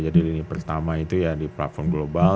jadi lini pertama itu ya di platform global